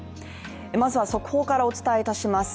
まずは速報からお伝えいたします。